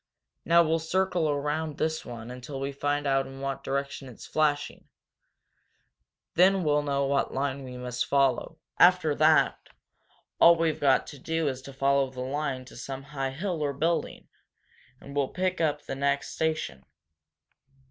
Now we'll circle around this one until we find out in what direction it is flashing, then we'll know what line we must follow. After that all we've got to do is to follow the line to some high hill or building, and we'll pick up the next station."